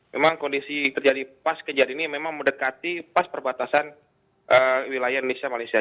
memang kondisi terjadi pas kejadian ini memang mendekati pas perbatasan wilayah indonesia malaysia